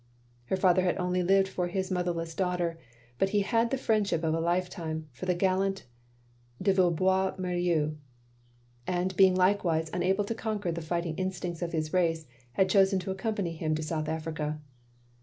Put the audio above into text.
Her father had only lived for his motherless daughter, but he had the friendship of a lifetime for the gallant de Villebois Mareuil, and being likewise unable to conquer the fighting instincts of his race, had chosen to accompany him to South Africa.